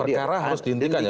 perkara harus dihentikan ya